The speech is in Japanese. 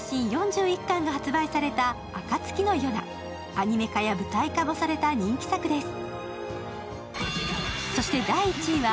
アニメ化や舞台化もされた人気作です。